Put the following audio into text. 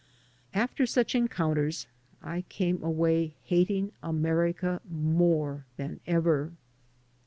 After such encoimters I came away hating America more than ever.